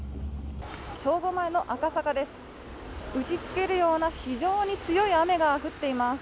正午前の赤坂です。